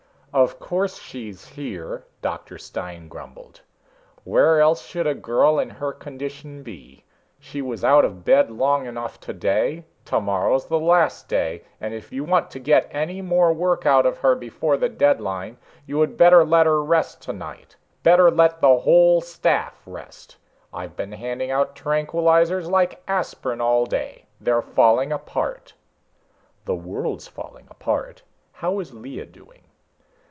"Of course she's here!" Dr. Stine grumbled. "Where else should a girl in her condition be? She was out of bed long enough today. Tomorrow's the last day, and if you want to get any more work out of her before the deadline, you had better let her rest tonight. Better let the whole staff rest. I've been handing out tranquilizers like aspirin all day. They're falling apart." "The world's falling apart. How is Lea doing?"